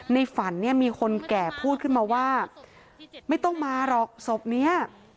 ฝันเนี่ยมีคนแก่พูดขึ้นมาว่าไม่ต้องมาหรอกศพเนี้ย